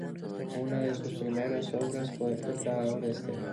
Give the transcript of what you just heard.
Una de sus primeras obras fue "El grabador Esteve".